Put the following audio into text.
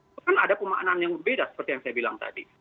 itu kan ada pemaknaan yang berbeda seperti yang saya bilang tadi